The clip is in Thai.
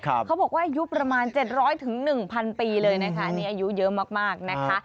เขาบอกว่าอายุประมาณ๗๐๐ถึง๑พันปีเลยนะคะอายุเยอะมากนะคะ